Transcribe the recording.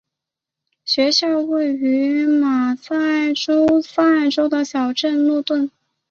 学校位于马萨诸塞州的小镇诺顿。